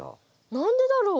何でだろう？